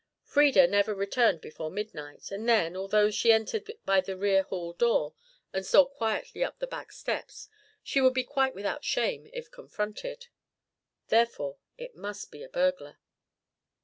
Frieda never returned before midnight, and then, although she entered by the rear hall door and stole quietly up the back stairs, she would be quite without shame if confronted. Therefore, it must be a burglar.